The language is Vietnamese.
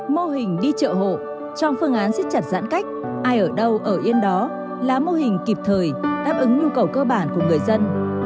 mô hình đi chợ hộ trong phương án xích chặt giãn cách ai ở đâu ở yên đó là mô hình kịp thời đáp ứng nhu cầu cơ bản của người dân